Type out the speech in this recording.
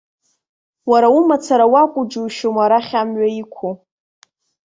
Уара умацара уакәу џьушьома арахь амҩа иқәу?